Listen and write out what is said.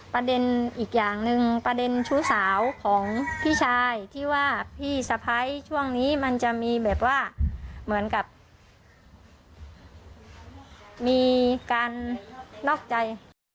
ประเด็นอีกอย่างหนึ่งประเด็นชู้สาวของพี่ชายที่ว่าพี่สะพ้ายช่วงนี้มันจะมีแบบว่าเหมือนกับมีการนอกใจ